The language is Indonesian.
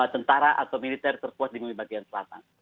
tentara atau militer terkuat di bumi bagian selatan